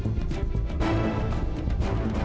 ingin melihat kalian